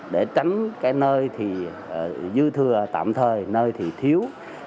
để tránh nơi dư thừa tạm thời nơi thiếu